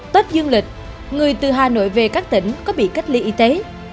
tết dương lịch người từ hà nội về các tỉnh có bị cách ly y tế